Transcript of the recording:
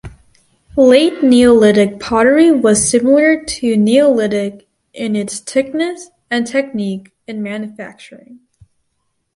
Late Neolithic pottery was similar to Neolithic in its thickness and technique in manufacturing.